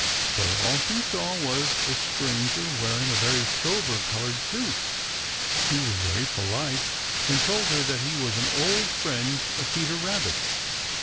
But all she saw was a stranger wearing a very sober colored suit. He was very polite and told her that he was an old friend of Peter Rabbit.